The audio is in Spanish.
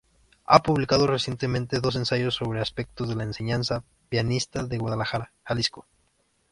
Ha publicado recientemente dos ensayos sobre aspectos de la enseñanza pianística de Guadalajara, Jalisco.